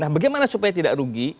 bagaimana supaya tidak rugi